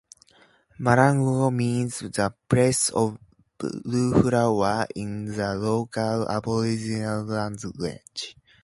Marangaroo means place of blue flowers in the local aboriginal language.